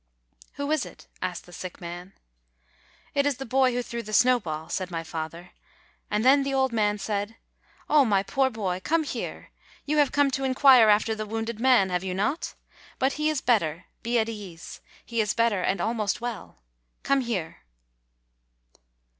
"Who is it?" asked the sick man. "It is the boy who threw the snowball/' said my father. And then the old man said : "Oh, my poor boy! come here; you have come to inquire after the wounded man, have you not? But he is better; be at ease; he is better and almost well. Come here."